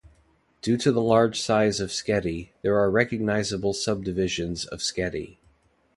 Due to the large size of Sketty, there are recognisable sub-divisions of Sketty.